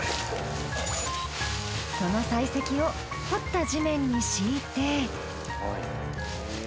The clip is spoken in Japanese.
その砕石を掘った地面に敷いて。